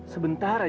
kalian paham dah